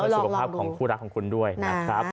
สุขภาพของคู่รักของคุณด้วยนะครับ